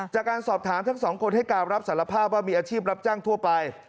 จากการสอบถามทั้งสองคนให้การรับสารภาพว่ามีอาชีพรับจ้างทั่วไป